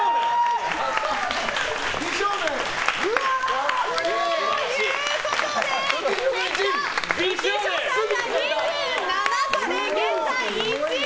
美少年！ということで結果、浮所さんが２７個で現在、１位。